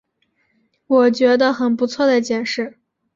我觉得很不错的解释